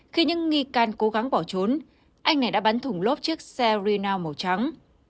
khi những nghi can cố gắng bỏ trốn anh này đã bắn thùng lốp chiếc xe renault màu trắng